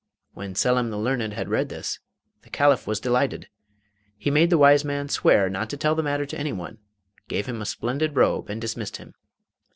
When Selim the learned had read this, the Caliph was delighted. He made the wise man swear not to tell the matter to anyone, gave him a splendid robe, and dismissed him.